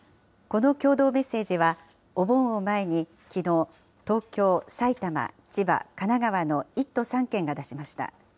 この共同メッセージは、お盆を前に、きのう、東京、埼玉、千葉、神奈川の１都３県が出しました。